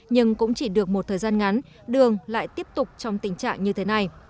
nhưng cũng chỉ được một thời gian ngắn đường lại tiếp tục trong tình trạng như thế này